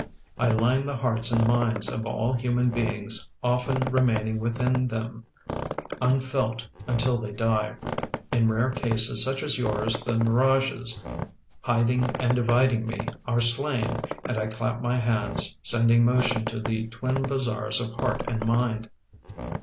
I line the hearts and minds of all human beings, often remaining within them, unfelt, until they die. In rare cases such as yours the mirages hiding and dividing me are slain, and I clap my hands, sending motion to the twin bazaars of heart and mind."